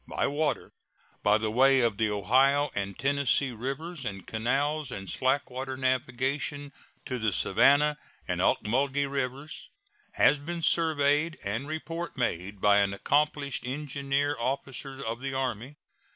by water, by the way of the Ohio and Tennessee rivers, and canals and slack water navigation to the Savannah and Ocmulgee rivers, has been surveyed, and report made by an accomplished engineer officer of the Army.